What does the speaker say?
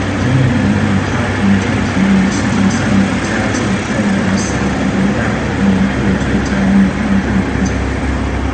同年年底，她凭借同年世锦赛的佳绩获得塞尔维亚年度最佳女运动员奖。